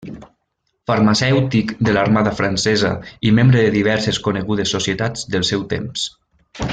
Farmacèutic de l'Armada francesa i membre de diverses conegudes societats del seu temps.